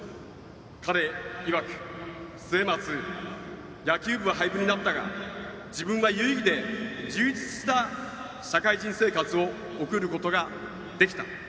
彼いわく末松、野球部は廃部になったが自分は有意義で充実した社会人生活を送ることができた。